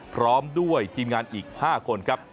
พร้อมด้วยทีมงานอีก๕คนครับ